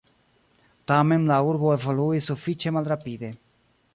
Tamen la urbo evoluis sufiĉe malrapide.